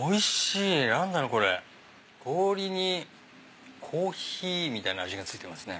氷にコーヒーみたいな味が付いてますね。